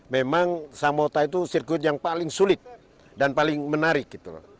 memang samota itu sirkuit yang paling sulit dan paling menarik gitu loh